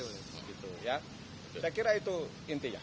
saya kira itu intinya